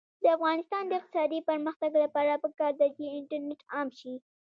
د افغانستان د اقتصادي پرمختګ لپاره پکار ده چې انټرنیټ عام شي.